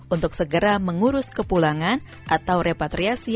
untuk segera mengurus kepulangan atau repatriasi